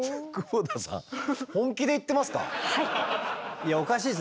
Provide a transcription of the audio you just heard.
いやおかしいです。